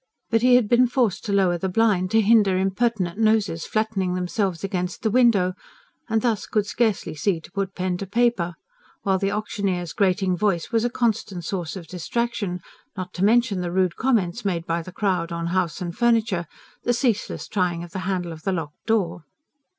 But he had been forced to lower the blind, to hinder impertinent noses flattening themselves against the window, and thus could scarcely see to put pen to paper; while the auctioneer's grating voice was a constant source of distraction not to mention the rude comments made by the crowd on house and furniture, the ceaseless trying of the handle of the locked door.